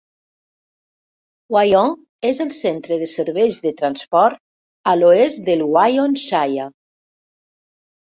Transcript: Wyong és el centre de serveis de transport a l'oest del Wyong Shire.